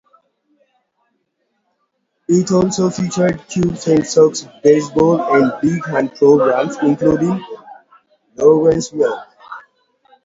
It also featured Cubs and Sox baseball and big band programs, including Lawrence Welk.